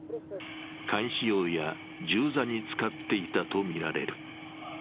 監視用や銃座に使っていたとみられる。